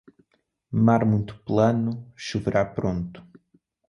Mar muito plano, choverá pronto.